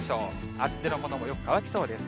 厚手のものもよく乾きそうです。